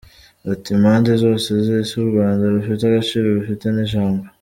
Ati “Impande zose z’ Isi u Rwanda rufite agaciro rufite n’ ijambo.